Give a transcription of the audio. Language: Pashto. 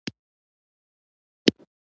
په پښتو ژبه د ژورنالېزم معیارونه نه دي ټاکل شوي.